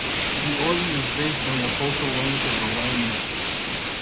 The order is based on the focal length of the lens.